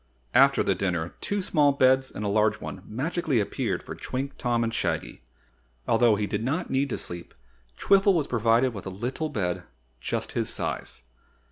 After the dinner two small beds and a large one magically appeared for Twink, Tom, and Shaggy. Although he did not need to sleep, Twiffle was provided with a little bed just his size.